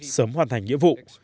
sớm hoàn thành nghĩa vụ